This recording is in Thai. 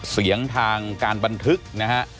เสียงทางการบันทึกนะฮะ